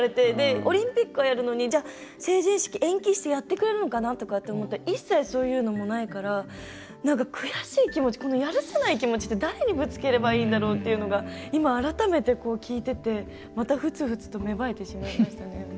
オリンピックはやるのに成人式延期してやってくれるのかなと思ったら一切そういうのもないから悔しい気持ちやるせない気持ちって誰にぶつければいいんだろうって今、改めて聞いててまた、ふつふつと芽生えてしまいましたね。